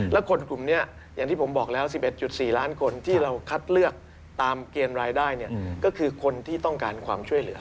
แล้วคนกลุ่มนี้อย่างที่ผมบอกแล้ว๑๑๔ล้านคนที่เราคัดเลือกตามเกณฑ์รายได้ก็คือคนที่ต้องการความช่วยเหลือ